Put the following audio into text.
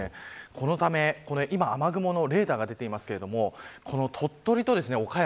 このため、今雨雲のレーダーが出ていますけれども鳥取と岡山